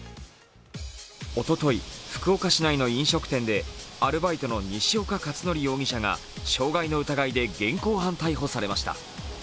おととい福岡市内の飲食店で、アルバイトの西岡且准容疑者が傷害の疑いで現行犯逮捕されました。